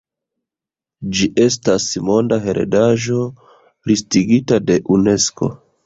Ĝi estas Monda Heredaĵo listigita de Unesko.